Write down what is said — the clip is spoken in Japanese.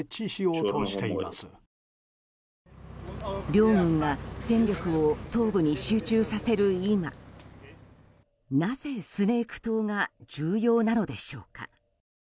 両軍が戦力を東部に集中させる今なぜスネーク島が重要なのでしょうか。